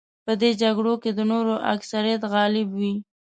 که په دې جګړو کې د نورو اکثریت غالب وي.